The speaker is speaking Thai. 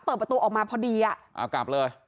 เปิดประตูออกมาพอดีอ่ะเอากลับเลย